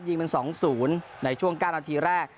ยิงเป็นสองศูนย์ในช่วงก้านนาทีแรก